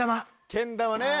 けん玉ね。